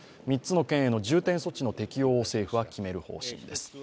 ３つの県への重点措置政府は決める方針です。